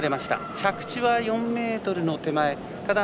着地は４ｍの手前。